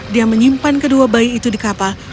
dia menyimpan kedua bayi itu di kapal